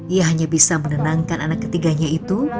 ia hanya bisa menenangkan anak ketiganya itu